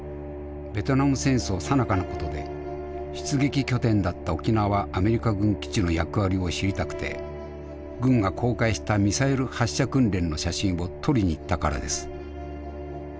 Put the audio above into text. ベトナム戦争さなかのことで出撃拠点だった沖縄アメリカ軍基地の役割を知りたくて軍が公開したミサイル発射訓練の写真を撮りに行ったからです。